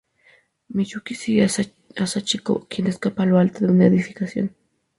Miyuki sigue a Sachiko quien escapa a lo alto de una edificación.